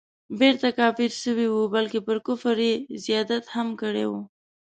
بیرته کافر سوی وو بلکه پر کفر یې زیادت هم کړی وو.